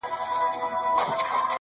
ناز دي کمه سوله دي کم جنګ دي کم٫